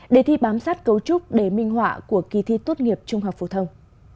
để thi bám sát cấu trúc để minh họa của kỳ thi tốt nghiệp trung học phổ thông